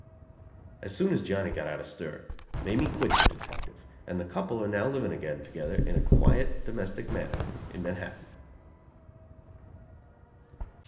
As soon as Johnny got out of stir, Mamie quit the detective, and the couple are now living again together in a quiet, domestic manner, in Manhattan.